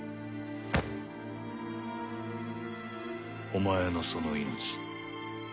お前のその命